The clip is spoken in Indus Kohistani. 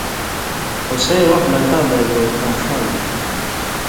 خو سَیں وخ لن٘گھاں بئ لُوں اؤن٘ݜاں بېں تھی۔